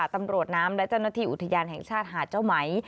ตำรวจน้ำและเจ้าหน้าที่อุทยานแห่งชาติหาดเจ้าไหม